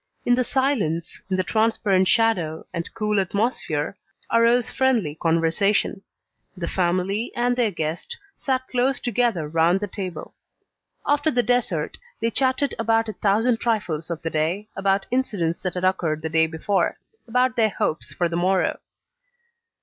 In the silence, in the transparent shadow and cool atmosphere, arose friendly conversation. The family and their guest sat close together round the table. After the dessert, they chatted about a thousand trifles of the day, about incidents that had occurred the day before, about their hopes for the morrow.